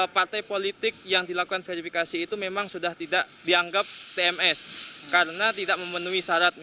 partai politik yang dilakukan verifikasi itu memang sudah tidak dianggap tms karena tidak memenuhi syarat